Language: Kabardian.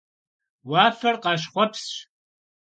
Vuafer khaşxhuepsş.